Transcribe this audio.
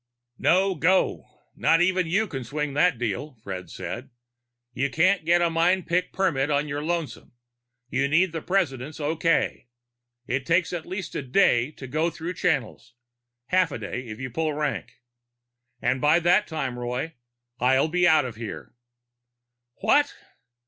"No go. Not even you can swing that deal," Fred said. "You can't get a mind pick permit on your lonesome: you need the President's okay. It takes at least a day to go through channels half a day, if you pull rank. And by that time, Roy, I'll be out of here." "What?"